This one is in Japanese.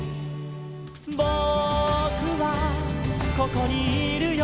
「ぼくはここにいるよ」